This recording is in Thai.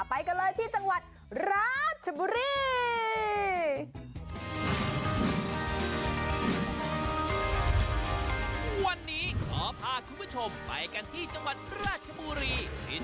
ไปกันเลยที่จังหวัดราชบุรี